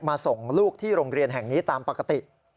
ส่งลูกที่โรงเรียนแห่งนี้ตามปกติ